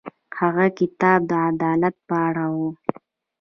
هغه کتاب د عدالت په اړه و.